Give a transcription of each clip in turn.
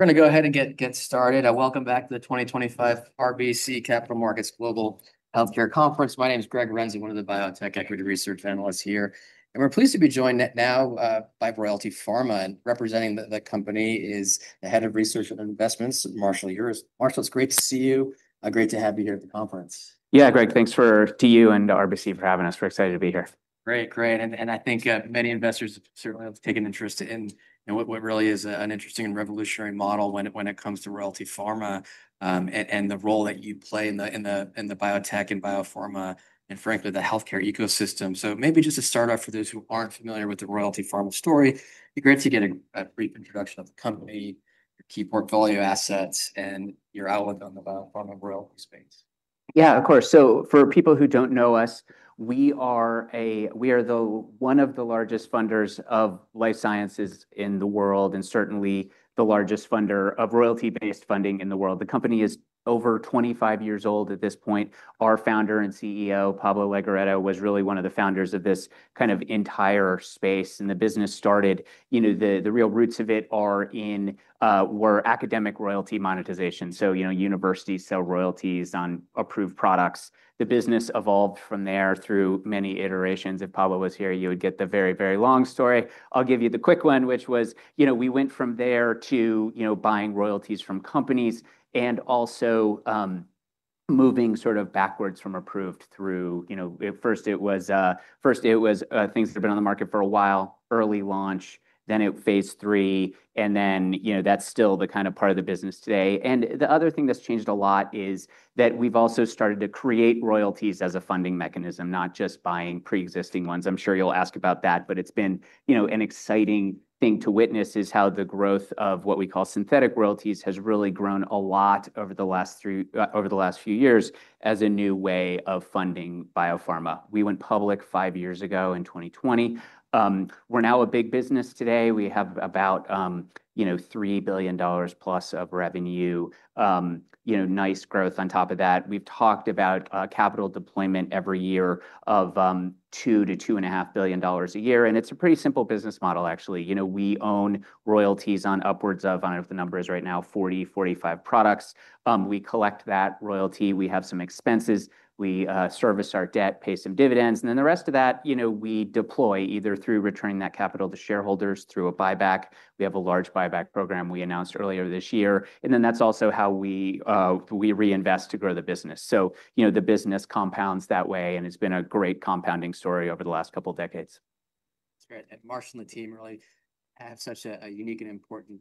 We're going to go ahead and get started. Welcome back to the 2025 RBC Capital Markets Global Healthcare Conference. My name is Greg Renzi, one of the biotech equity research analysts here, and we're pleased to be joined now by Royalty Pharma. And representing the company is the Head of Research and Investments, Marshall Urist. Marshall, it's great to see you. Great to have you here at the conference. Yeah, Greg, thanks to you and RBC for having us. We're excited to be here. Great, great. I think many investors certainly have taken interest in what really is an interesting and revolutionary model when it comes to Royalty Pharma and the role that you play in the biotech and biopharma and, frankly, the healthcare ecosystem. Maybe just to start off for those who aren't familiar with the Royalty Pharma story, it'd be great to get a brief introduction of the company, your key portfolio assets, and your outlook on the biopharma and royalty space. Yeah, of course. For people who don't know us, we are one of the largest funders of life sciences in the world and certainly the largest funder of royalty-based funding in the world. The company is over 25 years old at this point. Our founder and CEO, Pablo Legorreta, was really one of the founders of this kind of entire space. The business started, you know, the real roots of it were in academic royalty monetization. So, you know, universities sell royalties on approved products. The business evolved from there through many iterations. If Pablo was here, you would get the very, very long story. I'll give you the quick one, which was, you know, we went from there to, you know, buying royalties from companies and also moving sort of backwards from approved through, you know, first it was things that have been on the market for a while, early launch, then phase three, and then, you know, that's still the kind of part of the business today. The other thing that's changed a lot is that we've also started to create royalties as a funding mechanism, not just buying pre-existing ones. I'm sure you'll ask about that, but it's been, you know, an exciting thing to witness is how the growth of what we call synthetic royalties has really grown a lot over the last three, over the last few years as a new way of funding biopharma. We went public five years ago in 2020. We're now a big business today. We have about, you know, $3 billion plus of revenue, you know, nice growth on top of that. We've talked about capital deployment every year of $2 billion-$2.5 billion a year. It's a pretty simple business model, actually. You know, we own royalties on upwards of, I don't know if the number is right now, 40, 45 products. We collect that royalty. We have some expenses. We service our debt, pay some dividends. The rest of that, you know, we deploy either through returning that capital to shareholders through a buyback. We have a large buyback program we announced earlier this year. That is also how we reinvest to grow the business. You know, the business compounds that way. It has been a great compounding story over the last couple of decades. That is great. Marshall and the team really have such a unique and important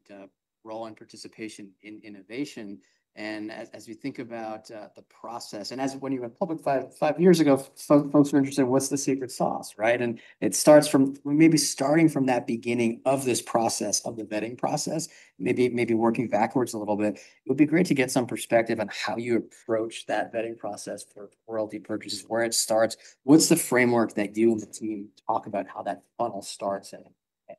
role in participation in innovation. As we think about the process, and as when you went public five years ago, folks were interested in what is the secret sauce, right? It starts from maybe starting from that beginning of this process of the vetting process, maybe working backwards a little bit. It would be great to get some perspective on how you approach that vetting process for royalty purchases, where it starts. What's the framework that you and the team talk about, how that funnel starts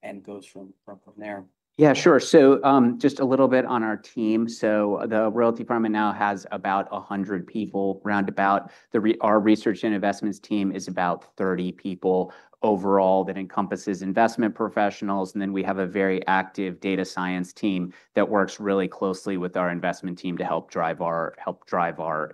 and goes from there? Yeah, sure. Just a little bit on our team. Royalty Pharma now has about 100 people, round about. Our research and investments team is about 30 people overall. That encompasses investment professionals, and then we have a very active data science team that works really closely with our investment team to help drive our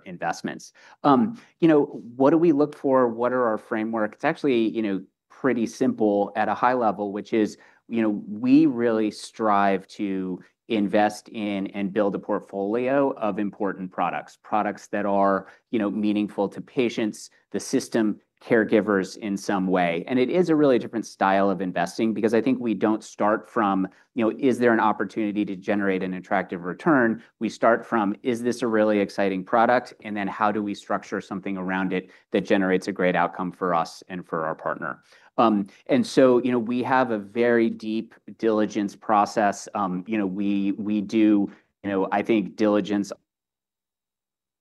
investments. You know, what do we look for? What are our framework? It's actually, you know, pretty simple at a high level, which is, you know, we really strive to invest in and build a portfolio of important products, products that are, you know, meaningful to patients, the system, caregivers in some way. It is a really different style of investing because I think we don't start from, you know, is there an opportunity to generate an attractive return? We start from, is this a really exciting product? Then how do we structure something around it that generates a great outcome for us and for our partner? You know, we have a very deep diligence process. You know, we do, you know, I think diligence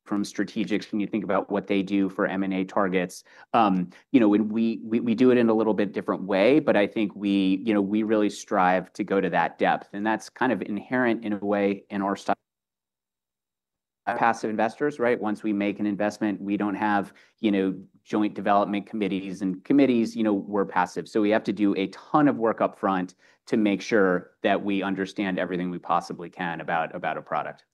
from strategics, when you think about what they do for M&A targets, you know, we do it in a little bit different way, but I think we, you know, we really strive to go to that depth. And that's kind of inherent in a way in our style. Passive investors, right? Once we make an investment, we do not have, you know, joint development committees and committees, you know, we are passive. So we have to do a ton of work upfront to make sure that we understand everything we possibly can about a product.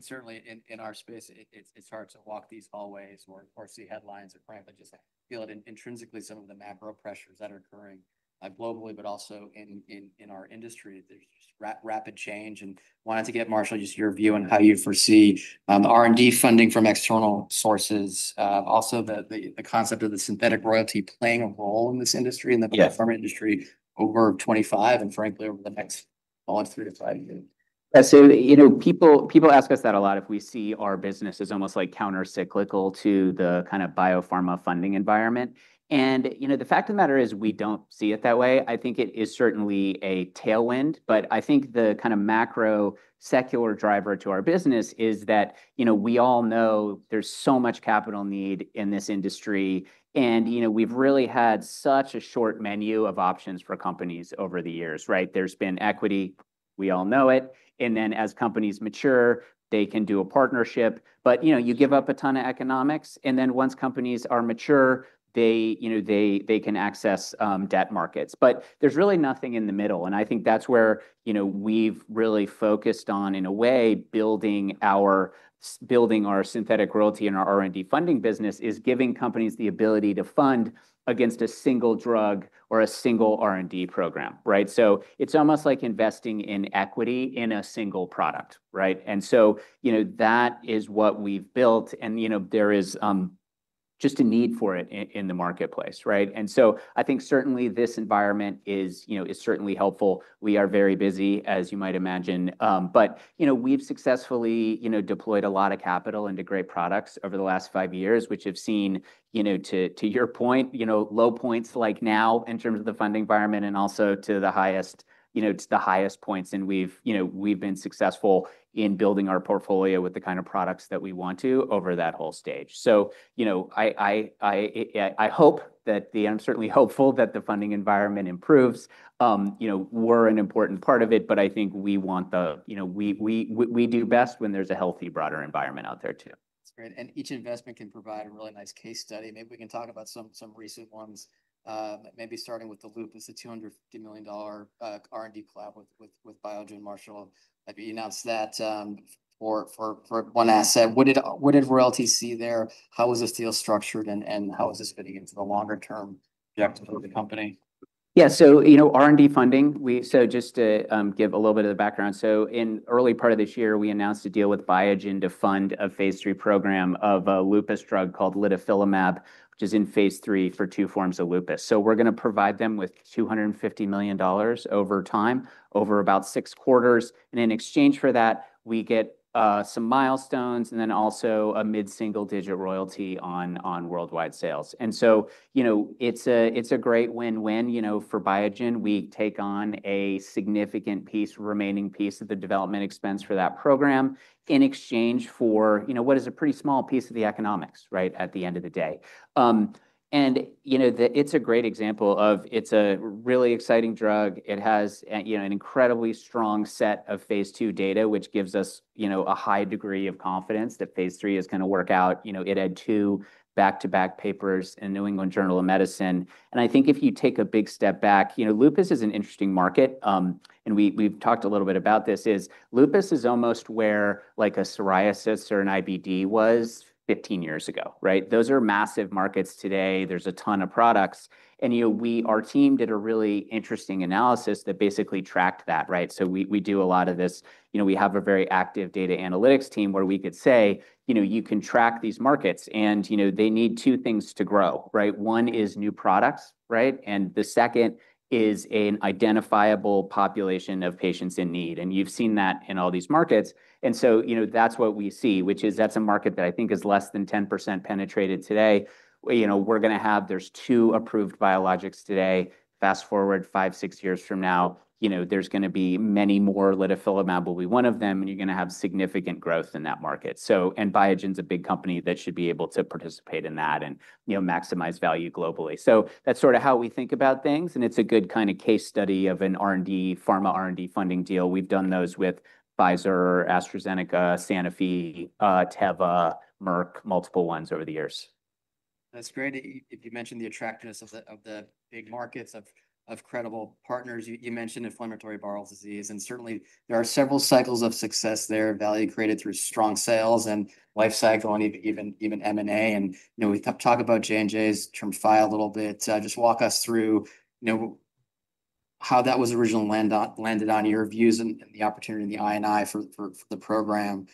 Certainly in our space, it is hard to walk these hallways or see headlines or frankly just feel it intrinsically, some of the macro pressures that are occurring globally, but also in our industry, there is just rapid change. I wanted to get Marshall, just your view on how you foresee R&D funding from external sources, also the concept of the synthetic royalty playing a role in this industry and the biopharma industry over 2025 and frankly over the next three to five years. Yeah, you know, people ask us that a lot if we see our business as almost like countercyclical to the kind of biopharma funding environment. The fact of the matter is we do not see it that way. I think it is certainly a tailwind, but I think the kind of macro secular driver to our business is that, you know, we all know there is so much capital need in this industry. We have really had such a short menu of options for companies over the years, right? There has been equity, we all know it. As companies mature, they can do a partnership. You know, you give up a ton of economics. Once companies are mature, they can access debt markets. There is really nothing in the middle. I think that is where, you know, we have really focused on, in a way, building our synthetic royalty and our R&D funding business is giving companies the ability to fund against a single drug or a single R&D program, right? It is almost like investing in equity in a single product, right? That is what we have built. You know, there is just a need for it in the marketplace, right? I think certainly this environment is, you know, is certainly helpful. We are very busy, as you might imagine. You know, we've successfully deployed a lot of capital into great products over the last five years, which have seen, you know, to your point, low points like now in terms of the funding environment and also to the highest, you know, to the highest points. We've been successful in building our portfolio with the kind of products that we want to over that whole stage. I hope that the, and I'm certainly hopeful that the funding environment improves, you know, we're an important part of it, but I think we want the, you know, we do best when there's a healthy broader environment out there too. That's great. Each investment can provide a really nice case study. Maybe we can talk about some recent ones, maybe starting with the lupus, is the $250 million R&D collab with Biogen, Marshall. Have you announced that for one asset? What did Royalty see there? How was this deal structured and how is this fitting into the longer term objectives of the company? Yeah, you know, R&D funding, just to give a little bit of the background. In early part of this year, we announced a deal with Biogen to fund a phase three program of a lupus drug called Litifilimab, which is in phase three for two forms of lupus. We're going to provide them with $250 million over time, over about six quarters. In exchange for that, we get some milestones and then also a mid-single digit royalty on worldwide sales. You know, it's a great win-win, you know, for Biogen. We take on a significant piece, remaining piece of the development expense for that program in exchange for, you know, what is a pretty small piece of the economics, right, at the end of the day. You know, it's a great example of it's a really exciting drug. It has, you know, an incredibly strong set of phase two data, which gives us, you know, a high degree of confidence that phase three is going to work out. You know, it had two back-to-back papers in New England Journal of Medicine. I think if you take a big step back, you know, lupus is an interesting market. We've talked a little bit about this. Lupus is almost where like a psoriasis or an IBD was 15 years ago, right? Those are massive markets today. There's a ton of products. You know, our team did a really interesting analysis that basically tracked that, right? We do a lot of this, you know, we have a very active data analytics team where we could say, you know, you can track these markets and, you know, they need two things to grow, right? One is new products, right? The second is an identifiable population of patients in need. You've seen that in all these markets. That's what we see, which is that's a market that I think is less than 10% penetrated today. You know, we're going to have there's two approved biologics today. Fast forward five, six years from now, you know, there's going to be many more. Litifilimab will be one of them and you're going to have significant growth in that market. Biogen's a big company that should be able to participate in that and, you know, maximize value globally. That's sort of how we think about things. It's a good kind of case study of an R&D pharma R&D funding deal. We've done those with Pfizer, AstraZeneca, Sanofi, Teva, Merck, multiple ones over the years. That's great. You mentioned the attractiveness of the big markets, of credible partners, you mentioned inflammatory bowel disease. Certainly there are several cycles of success there, value created through strong sales and life cycle and even M&A. You know, we talk about J&J's Tremfya a little bit. Just walk us through, you know, how that was originally landed on your views and the opportunity in the I&I for the program.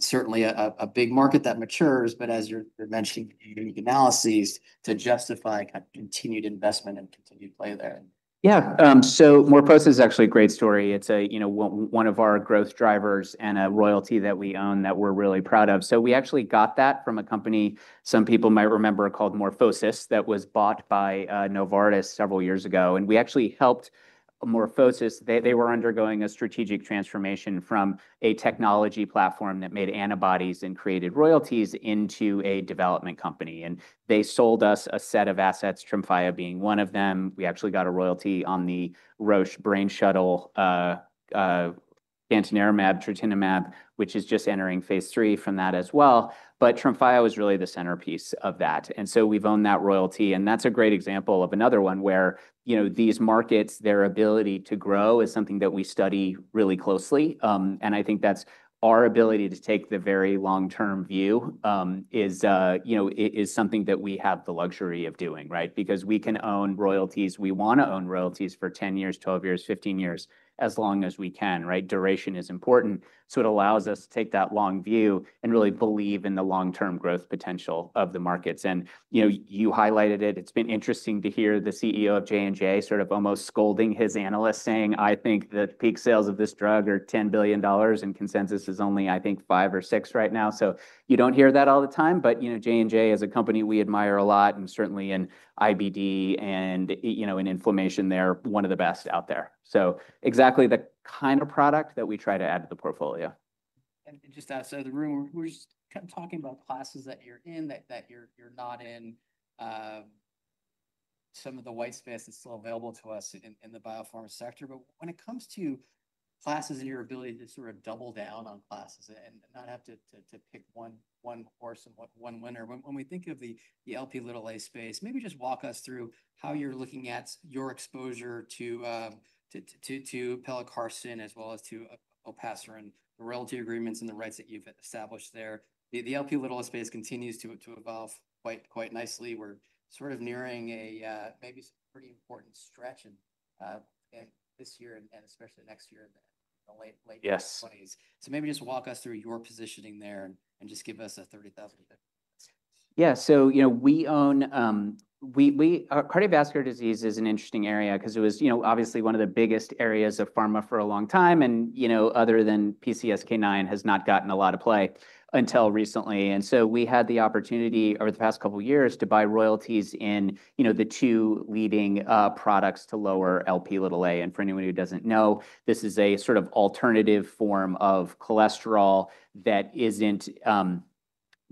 Certainly a big market that matures, but as you're mentioning, you need analyses to justify kind of continued investment and continued play there. Yeah. MorphoSys is actually a great story. It's a, you know, one of our growth drivers and a royalty that we own that we're really proud of. We actually got that from a company, some people might remember, called MorphoSys, that was bought by Novartis several years ago. We actually helped MorphoSys. They were undergoing a strategic transformation from a technology platform that made antibodies and created royalties into a development company. They sold us a set of assets, Tremfya being one of them. We actually got a royalty on the Roche brain shuttle, Gantenerumab, Trontinemab, which is just entering phase three from that as well. Tremfya was really the centerpiece of that. We have owned that royalty. That is a great example of another one where, you know, these markets, their ability to grow is something that we study really closely. I think that our ability to take the very long-term view is, you know, is something that we have the luxury of doing, right? Because we can own royalties. We want to own royalties for 10 years, 12 years, 15 years, as long as we can, right? Duration is important. It allows us to take that long view and really believe in the long-term growth potential of the markets. You highlighted it. It's been interesting to hear the CEO of J&J sort of almost scolding his analysts, saying, "I think the peak sales of this drug are $10 billion and consensus is only, I think, five or six right now." You do not hear that all the time, but, you know, J&J as a company we admire a lot and certainly in IBD and, you know, in inflammation, they're one of the best out there. Exactly the kind of product that we try to add to the portfolio. Just ask the room, we're just kind of talking about classes that you're in, that you're not in. Some of the white space is still available to us in the biopharma sector. When it comes to classes and your ability to sort of double down on classes and not have to pick one horse and one winner, when we think of the Lp(a) space, maybe just walk us through how you're looking at your exposure to Pelacarsen as well as to Olpasiran and the royalty agreements and the rights that you've established there. The Lp(a) space continues to evolve quite nicely. We're sort of nearing maybe some pretty important stretch in this year and especially next year in the late 2020s. Maybe just walk us through your positioning there and just give us a 30,000. Yeah. You know, we own, we are, cardiovascular disease is an interesting area because it was obviously one of the biggest areas of pharma for a long time. You know, other than PCSK9 has not gotten a lot of play until recently. We had the opportunity over the past couple of years to buy royalties in, you know, the two leading products to lower Lp(a). For anyone who does not know, this is a sort of alternative form of cholesterol that is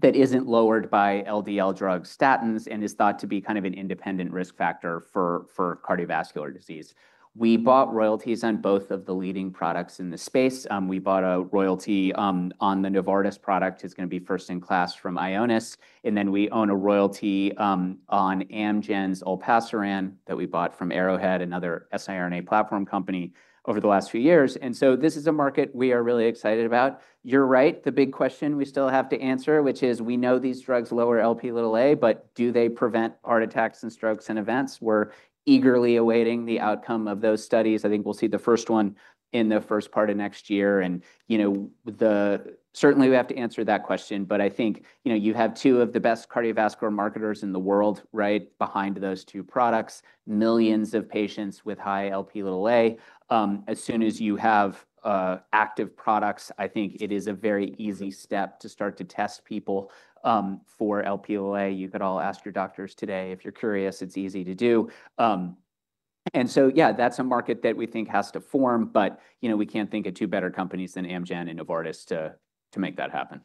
not lowered by LDL drug statins and is thought to be kind of an independent risk factor for cardiovascular disease. We bought royalties on both of the leading products in the space. We bought a royalty on the Novartis product. It is going to be first in class from Ionis. Then we own a royalty on Amgen's Olpasiran that we bought from Arrowhead, another siRNA platform company, over the last few years. This is a market we are really excited about. You are right. The big question we still have to answer, which is we know these drugs lower Lp(a), but do they prevent heart attacks and strokes and events? We're eagerly awaiting the outcome of those studies. I think we'll see the first one in the first part of next year. You know, certainly we have to answer that question, but I think, you know, you have two of the best cardiovascular marketers in the world, right, behind those two products, millions of patients with high Lp(a). As soon as you have active products, I think it is a very easy step to start to test people for Lp(a). You could all ask your doctors today if you're curious. It's easy to do. Yeah, that's a market that we think has to form. You know, we can't think of two better companies than Amgen and Novartis to make that happen.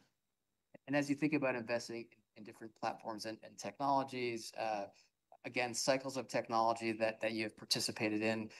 As you think about investing in different platforms and technologies, again, cycles of technology that you have participated in,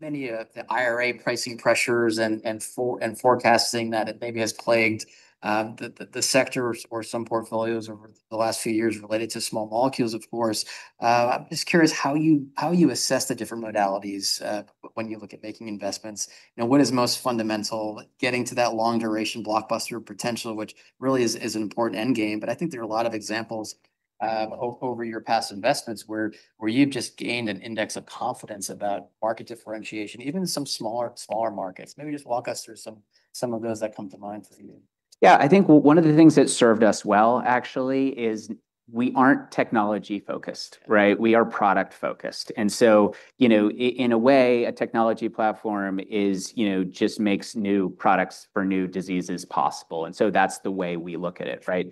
many of the IRA pricing pressures and forecasting that maybe has plagued the sector or some portfolios over the last few years related to small molecules, of course. I'm just curious how you assess the different modalities when you look at making investments. You know, what is most fundamental getting to that long duration blockbuster potential, which really is an important end game. I think there are a lot of examples over your past investments where you've just gained an index of confidence about market differentiation, even some smaller markets. Maybe just walk us through some of those that come to mind for you. Yeah, I think one of the things that served us well, actually, is we aren't technology focused, right? We are product focused. And so, you know, in a way, a technology platform is, you know, just makes new products for new diseases possible. And so that's the way we look at it, right?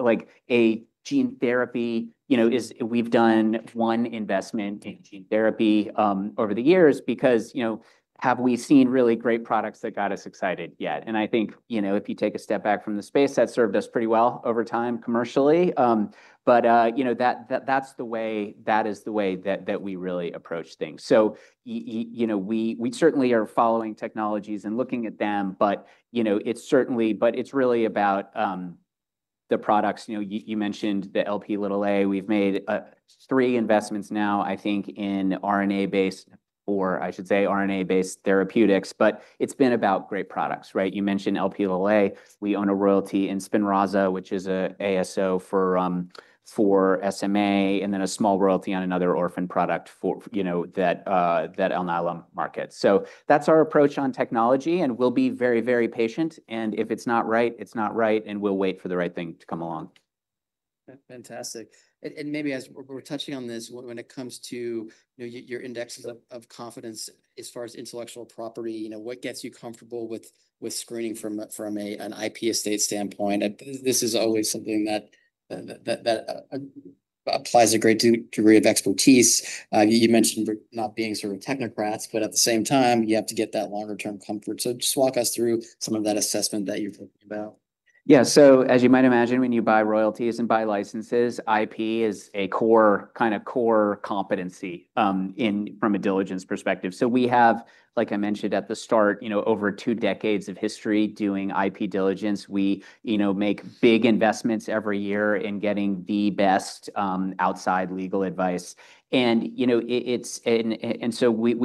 Like a gene therapy, you know, is we've done one investment in gene therapy over the years because, you know, have we seen really great products that got us excited yet? I think, you know, if you take a step back from the space, that served us pretty well over time commercially. You know, that is the way that we really approach things. You know, we certainly are following technologies and looking at them, but it's really about the products. You mentioned the Lp(a). We've made three investments now, I think, in RNA-based therapeutics, but it's been about great products, right? You mentioned Lp(a). We own a royalty in Spinraza, which is an ASO for SMA, and then a small royalty on another orphan product for, you know, that Alnylam market. That's our approach on technology and we'll be very, very patient. If it's not right, it's not right and we'll wait for the right thing to come along. Fantastic. Maybe as we're touching on this, when it comes to, you know, your indexes of confidence as far as intellectual property, you know, what gets you comfortable with screening from an IP estate standpoint? This is always something that applies a great degree of expertise. You mentioned not being sort of technocrats, but at the same time, you have to get that longer-term comfort. Just walk us through some of that assessment that you're talking about. Yeah. As you might imagine, when you buy royalties and buy licenses, IP is a core kind of core competency from a diligence perspective. Like I mentioned at the start, you know, over two decades of history doing IP diligence, we, you know, make big investments every year in getting the best outside legal advice. You know, we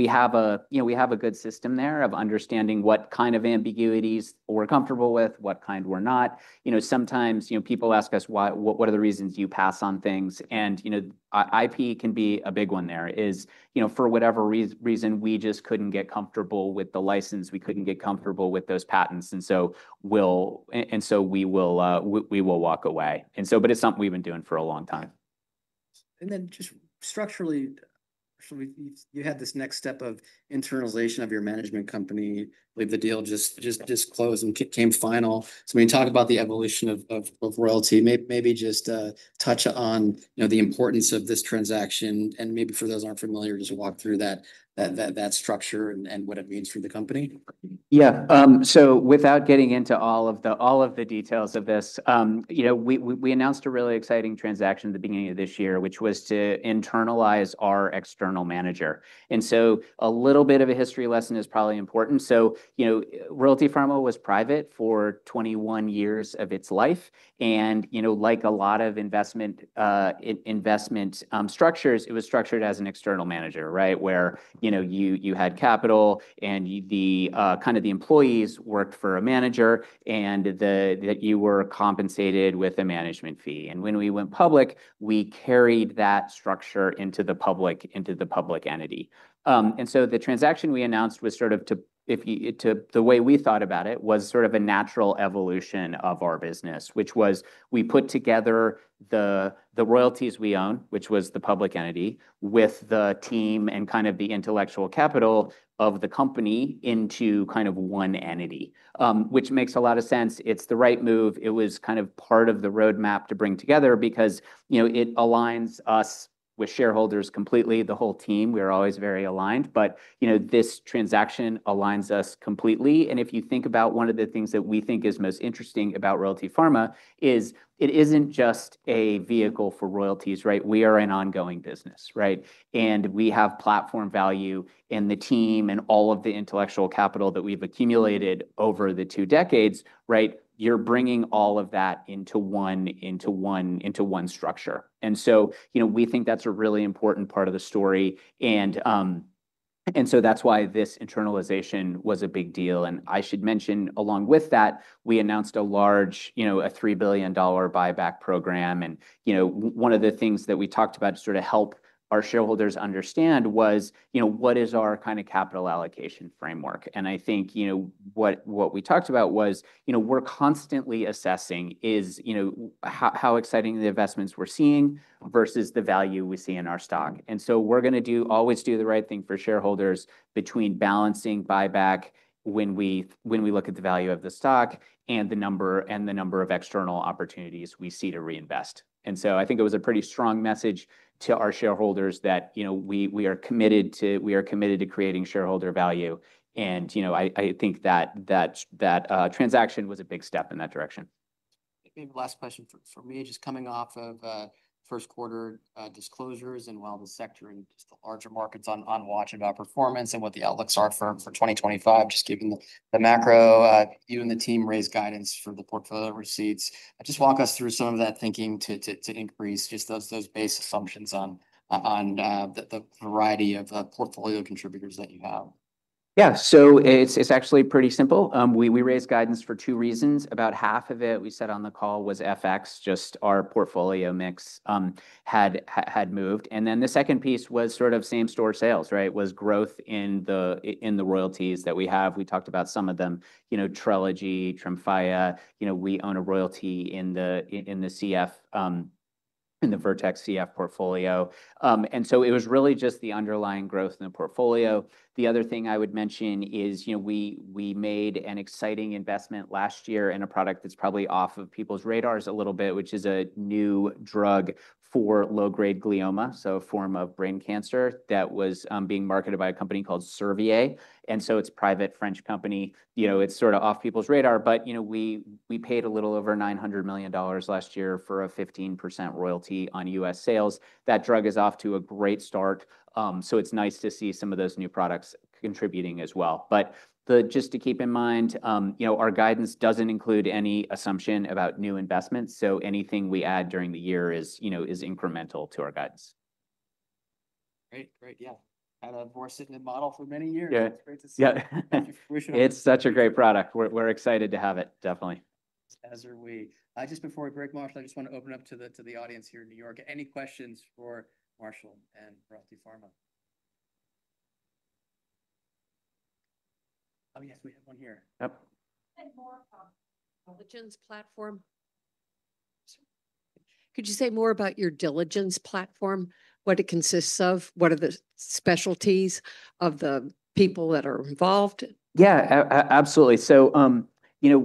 have a good system there of understanding what kind of ambiguities we're comfortable with, what kind we're not. You know, sometimes people ask us why, what are the reasons you pass on things. You know, IP can be a big one. There is, you know, for whatever reason, we just couldn't get comfortable with the license. We couldn't get comfortable with those patents. We will walk away. It's something we've been doing for a long time. Then just structurally, you had this next step of internalization of your management company. I believe the deal just closed and came final. When you talk about the evolution of royalty, maybe just touch on the importance of this transaction. Maybe for those who aren't familiar, just walk through that structure and what it means for the company. Yeah. Without getting into all of the details of this, you know, we announced a really exciting transaction at the beginning of this year, which was to internalize our external manager. A little bit of a history lesson is probably important. You know, Royalty Pharma was private for 21 years of its life. You know, like a lot of investment structures, it was structured as an external manager, right, where you had capital and the employees worked for a manager and you were compensated with a management fee. When we went public, we carried that structure into the public entity. The transaction we announced was sort of, if you, the way we thought about it was sort of a natural evolution of our business, which was we put together the royalties we own, which was the public entity, with the team and kind of the intellectual capital of the company into kind of one entity, which makes a lot of sense. It's the right move. It was kind of part of the roadmap to bring together because, you know, it aligns us with shareholders completely, the whole team. We're always very aligned. You know, this transaction aligns us completely. If you think about one of the things that we think is most interesting about Royalty Pharma, it isn't just a vehicle for royalties, right? We are an ongoing business, right? We have platform value and the team and all of the intellectual capital that we've accumulated over the two decades, right? You're bringing all of that into one structure. We think that's a really important part of the story. That is why this internalization was a big deal. I should mention along with that, we announced a large, you know, a $3 billion buyback program. One of the things that we talked about to sort of help our shareholders understand was, you know, what is our kind of capital allocation framework? I think what we talked about was, you know, we're constantly assessing how exciting the investments we're seeing versus the value we see in our stock. We're going to always do the right thing for shareholders between balancing buyback when we look at the value of the stock and the number of external opportunities we see to reinvest. I think it was a pretty strong message to our shareholders that, you know, we are committed to creating shareholder value. I think that transaction was a big step in that direction. Maybe last question for me, just coming off of first quarter disclosures and while the sector and just the larger markets are on watch about performance and what the outlooks are for 2025, just given the macro, you and the team raised guidance for the portfolio receipts. Just walk us through some of that thinking to increase just those base assumptions on the variety of portfolio contributors that you have. Yeah. It is actually pretty simple. We raised guidance for two reasons. About half of it, we said on the call, was FX, just our portfolio mix had moved. The second piece was sort of same store sales, right? Was growth in the royalties that we have. We talked about some of them, you know, Trilogy, Tremfya. You know, we own a royalty in the CF, in the Vertex CF portfolio. It was really just the underlying growth in the portfolio. The other thing I would mention is, you know, we made an exciting investment last year in a product that's probably off of people's radars a little bit, which is a new drug for low-grade glioma, so a form of brain cancer that was being marketed by a company called Servier. It is a private French company. You know, it's sort of off people's radar. You know, we paid a little over $900 million last year for a 15% royalty on U.S. sales. That drug is off to a great start. It is nice to see some of those new products contributing as well. Just to keep in mind, you know, our guidance does not include any assumption about new investments. Anything we add during the year is incremental to our guidance. Great. Great. Yeah. Kind of we're sitting in model for many years. It's great to see. Yeah. It's such a great product. We're excited to have it. Definitely. As are we. Just before we break, Marshall, I just want to open up to the audience here in New York. Any questions for Marshall and Royalty Pharma? Oh, yes, we have one here. Yep. Diligence platform. Could you say more about your diligence platform, what it consists of, what are the specialties of the people that are involved? Yeah, absolutely. You know,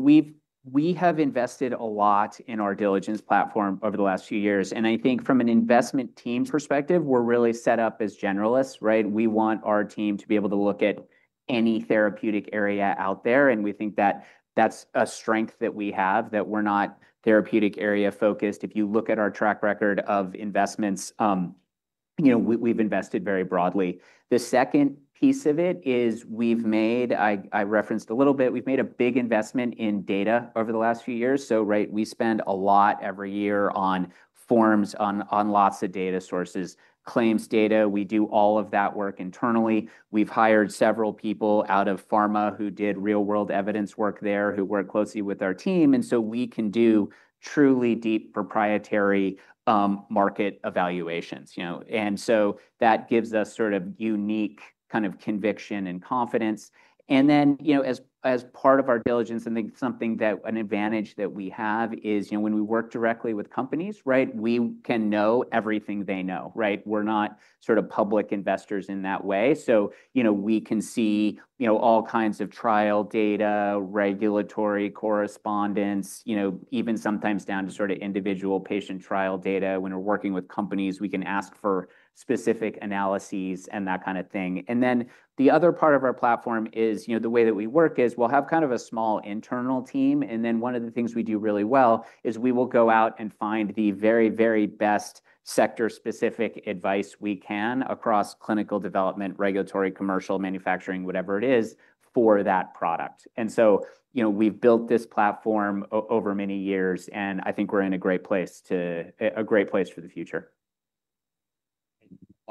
we have invested a lot in our diligence platform over the last few years. I think from an investment team perspective, we're really set up as generalists, right? We want our team to be able to look at any therapeutic area out there. We think that that's a strength that we have, that we're not therapeutic area focused. If you look at our track record of investments, you know, we've invested very broadly. The second piece of it is, I referenced a little bit, we've made a big investment in data over the last few years. Right, we spend a lot every year on forms, on lots of data sources, claims data. We do all of that work internally. We've hired several people out of Pharma who did real-world evidence work there, who work closely with our team. We can do truly deep proprietary market evaluations, you know. That gives us sort of unique kind of conviction and confidence. You know, as part of our diligence, I think something that an advantage that we have is, you know, when we work directly with companies, right, we can know everything they know, right? We're not sort of public investors in that way. You know, we can see all kinds of trial data, regulatory correspondence, you know, even sometimes down to sort of individual patient trial data. When we're working with companies, we can ask for specific analyses and that kind of thing. The other part of our platform is, you know, the way that we work is we'll have kind of a small internal team. One of the things we do really well is we will go out and find the very, very best sector-specific advice we can across clinical development, regulatory, commercial, manufacturing, whatever it is for that product. You know, we've built this platform over many years, and I think we're in a great place for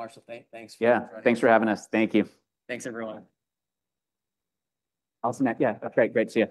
the future. Marshall, thanks for joining us. Yeah, thanks for having us. Thank you. Thanks, everyone. Awesome. Yeah, that's great. Great to see you.